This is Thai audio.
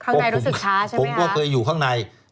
ข้างในรู้สึกช้าใช่ไหมผมก็เคยอยู่ข้างใน